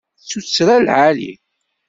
D tuttra lɛali.